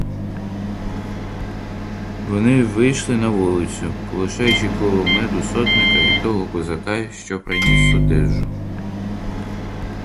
Вони вийшли на вулицю, полишаючи коло меду сотника й того козака, що приніс одежу.